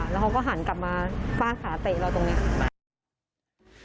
แล้วเขาก็หันกลับมาฟาดขาเตะเราตรงนี้